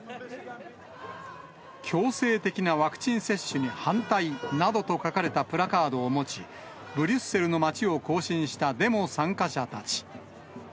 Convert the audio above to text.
強制的なワクチン接種に反対などと書かれたプラカードを持ち、ブリュッセルの街を行進したデモ参加者たち。